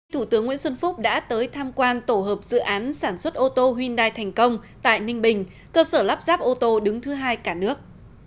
thủ tướng nguyễn xuân phúc đã tới tham quan tổ hợp dự án sản xuất ô tô hyundai thành công tại ninh bình cơ sở lắp ráp ô tô đứng thứ hai cả nước